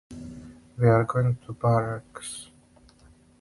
We’re going to Barraques.